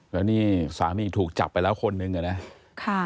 แล้วนี่สามีถูกจับไปแล้วคนนึงอะนะ